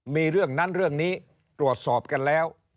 มีเรื่องนั้นเรื่องนี้ตรวจสอบกันแล้ว